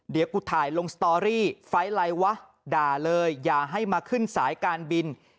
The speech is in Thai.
เดี๋ยวกูถ่ายลงสตอรี่ไฟล์ไลน์วะด่าเลยอย่าให้มาขึ้นสายการบิน